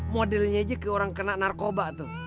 modelnya aja kayak orang kena narkoba tuh